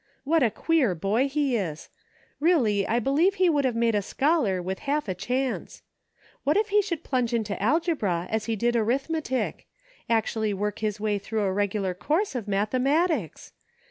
What a queer boy he is ! Really I believe he would have made a scholar with half a chance. What if he should plunge into algebra as he did arithmetic "i Actually work his way through a regular course of mathematics